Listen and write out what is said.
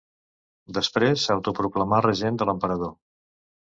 Després s'autoproclamà regent de l'emperador.